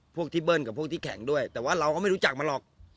พวกที่เบิ้ลกับพวกที่แข็งด้วยแต่ว่าเราก็ไม่รู้จักมันหรอก